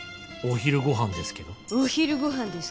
「お昼ご飯ですけど」